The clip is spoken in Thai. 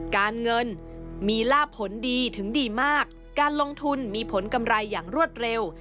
การเงินมีลาบผลดีถึงดีมากการลงทุนมีผลกำไรอย่างรวดเร็ว